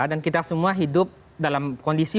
dan kita semua hidup dalam kondisi